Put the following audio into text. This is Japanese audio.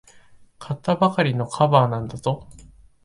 買ったばかりのカバーなんだぞ。